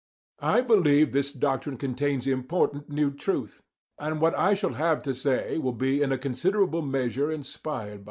I believe this doctrine contains important new truth, and what I shall have to say will be in a considerable measure inspired by it.